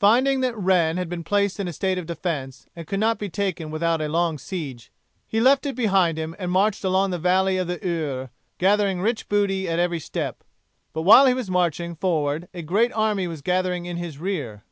Finding that Rouen had been placed in a state of defence and could not be taken without a long siege he left it behind him and marched along the valley of the Eure, gathering rich booty at every step. But while he was marching forward a great army was gathering in his rear.